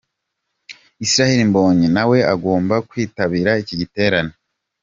Israel Mbonyi na we agomba kwitabira iki giterane.